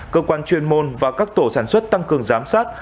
cơ quan chuyên môn và các tổ sản xuất tăng cường giám sát